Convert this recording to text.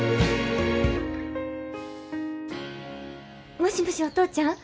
もしもしお父ちゃん。